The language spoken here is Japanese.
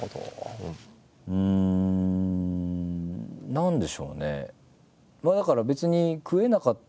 何でしょうね。